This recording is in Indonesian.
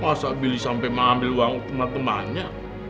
masa billy sampai mengambil uang teman temannya